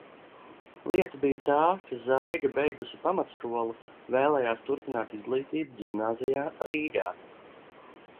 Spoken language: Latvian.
Lieta bija tā, ka Zaiga beigusi pamatskolu, vēlējās turpināt izglītību ģimnāzijā – Rīgā.